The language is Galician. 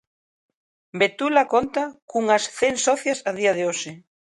Betula conta cunhas cen socias a día de hoxe.